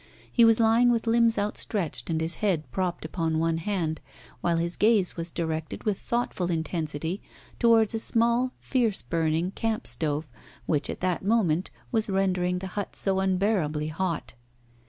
He was lying with limbs outstretched and his head propped upon one hand, while his gaze was directed with thoughtful intensity towards a small, fierce burning camp stove, which, at that moment, was rendering the hut so unbearably hot.